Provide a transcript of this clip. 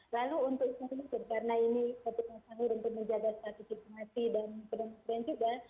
lalu untuk siring makan karena ini ketika sahur untuk menjaga statistik mati dan kemudian protein juga